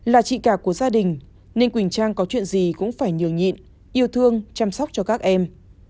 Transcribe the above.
là chị cả của gia đình nên quỳnh trang có chuyện gì cũng phải nhường nhịn yêu thương chăm sóc cho các em